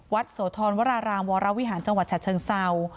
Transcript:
โสธรวรารามวรวิหารจังหวัดฉะเชิงเศร้า